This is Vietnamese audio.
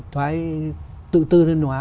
thoai tự tư thân hóa